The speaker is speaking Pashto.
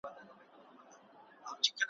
حرص او غرور ,